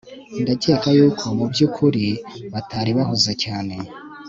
ndakeka yuko mubyukuri batari bahuze cyane